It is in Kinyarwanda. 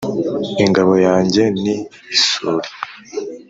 Ingabo yanjye ni isuri